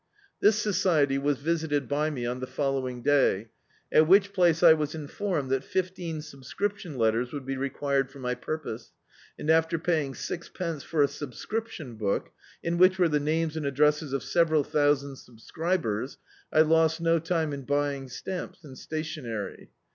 This society was visited by me on the following day; at which place I was informed that fifteen subscripticm letters would be required for my purpose, and after paying sixpence for a subscription book, in whidi were the names and addresses of several thousand subscribers, I lost no time in buying stamps and sta tic«iery.